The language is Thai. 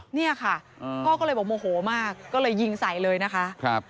เนี่ยค่ะพ่อก็เลยบอกโมโหมากก็เลยยิงใส่เลยนะคะ